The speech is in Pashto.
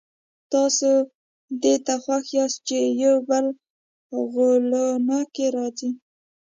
تاسي دې ته خوښ یاست چي یو بل غولونکی راځي.